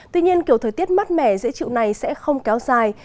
tuy nhiên kiểu thời tiết mát mẻ dễ chịu này sẽ không kéo dài